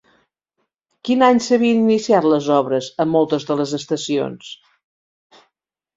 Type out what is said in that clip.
Quin any s'havien iniciat les obres en moltes de les estacions?